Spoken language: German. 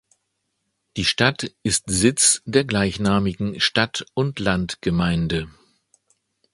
Die Stadt ist Sitz der gleichnamigen Stadt-und-Land-Gemeinde.